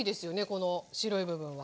この白い部分は。